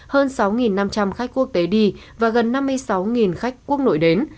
hơn sáu năm trăm linh khách quốc tế đi và gần năm mươi sáu khách quốc nội đến